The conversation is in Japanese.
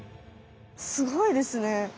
すごいですね。